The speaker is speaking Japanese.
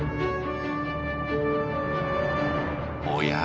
おや？